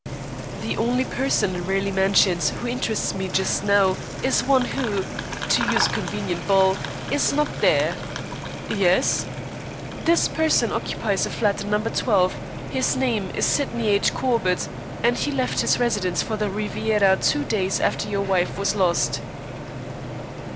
"The only person in Raleigh Mansions who interests me just now is one who, to use a convenient bull, is not there." "Yes?" "This person occupies a flat in No. 12, his name is Sydney H. Corbett, and he left his residence for the Riviera two days after your wife was lost."